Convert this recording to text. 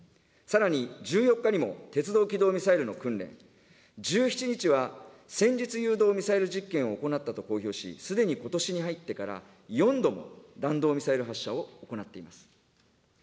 さらに、１４日にも、鉄道機動ミサイルの訓練、１７日は戦術誘導ミサイル実験を行ったと公表し、すでにことしに入ってから４度も、弾道ミサイル発射を行っています。